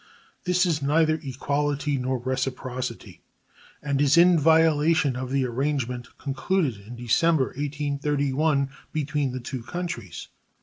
This is neither equality nor reciprocity, and is in violation of the arrangement concluded in December, 1831, between the two countries.